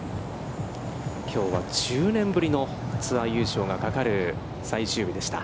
きょうは、１０年ぶりのツアー優勝がかかる最終日でした。